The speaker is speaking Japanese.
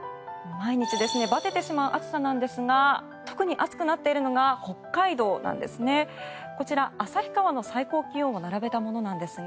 毎日バテてしまう暑さなんですが特に暑くなっているのが北海道なんですね。